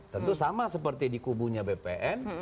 tentu sama seperti di kubunya bpn